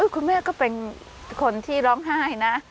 คุณแม่ก็เป็นคนที่ร้องไห้นะ